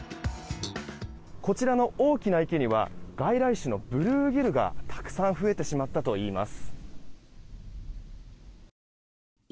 こちらの大きな池には外来種のブルーギルがたくさん増えてしまったといいます。